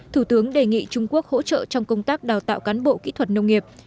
thủ tướng đề nghị trung quốc hỗ trợ trong công tác đào tạo cán bộ kỹ thuật nông nghiệp